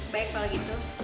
banyak pala gitu